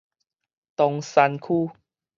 東山區